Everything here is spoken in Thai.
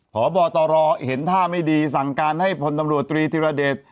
พบตรเห็นท่าไม่ดีสั่งการให้พลตำรวจตรีธิรเดช